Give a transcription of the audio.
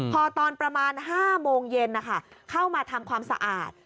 พอตอนประมาณ๕โมงเย็นเข้ามาทำความสะอาด